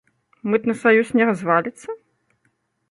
Мытны саюз не разваліцца?